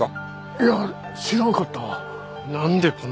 いや知らんかった。